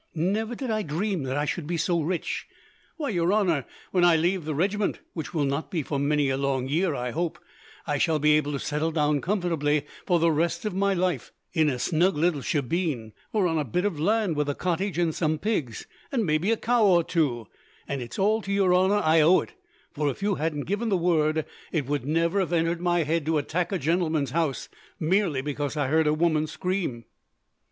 Never did I dream that I should be so rich. Why, your honour, when I lave the regiment, which will not be for many a long year, I hope, I shall be able to settle down comfortably, for the rest of my life, in a snug little shebeen, or on a bit of land with a cottage and some pigs, and maybe a cow or two; and it is all to your honour I owe it, for if you hadn't given the word, it would never have entered my head to attack a gentleman's house, merely because I heard a woman scream."